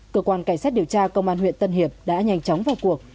cơ quan cảnh sát điều tra công an huyện tân hiệp đã nhanh chóng vào cuộc